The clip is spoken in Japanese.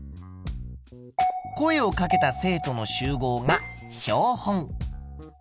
声をかけた生徒の集合が標本。